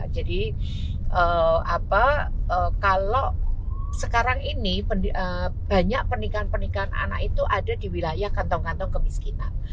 jadi kalau sekarang ini banyak pernikahan pernikahan anak itu ada di wilayah kantong kantong kemiskinan